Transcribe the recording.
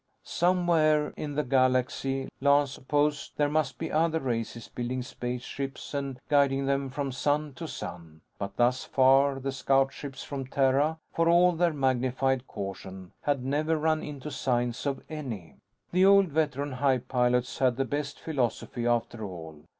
Somewhere in the galaxy, Lance supposed, there must be other races building spaceships and guiding them from sun to sun. But thus far, the scout ships from Terra for all their magnified caution had never run into signs of any. The old veteran hype pilots had the best philosophy after all.